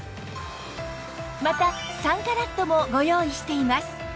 また３カラットもご用意しています